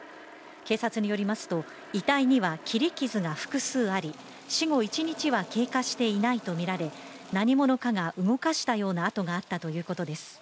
警察によりますと、遺体には切り傷が複数あり死後１日は経過していないとみられ何者かが動かしたような跡があったということです。